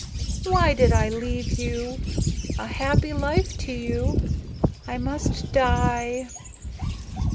Why did I leave you? A happy life to you. I must die."